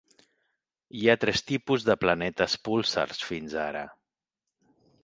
Hi ha tres tipus de planetes púlsars fins ara.